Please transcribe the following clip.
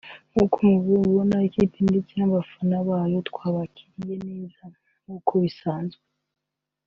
"Nkuko mubibona ikipe ndetse n’abafana babo twabakiriye neza nk’uko bisazwe